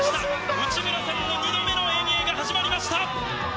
内村さんの２度目の遠泳が始まりました。